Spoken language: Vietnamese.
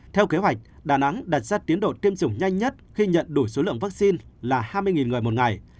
theo kế hoạch đà nẵng đặt ra tiến độ tiêm chủng nhanh nhất khi nhận đủ số lượng vaccine là hai mươi người một ngày